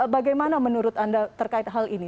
bagaimana menurut anda terkait hal ini